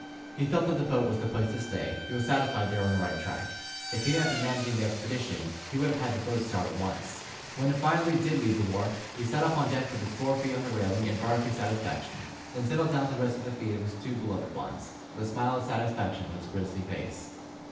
He felt that the boat was the place to stay. He was satisfied they were on the right track. If he had been managing the expedition, he would have had the boat start at once. When it finally did leave the wharf, he sat up on deck with his fore feet on the railing and barked his satisfaction, then settled down to rest at the feet of the two beloved ones, with a smile of satisfaction on his grizzly face.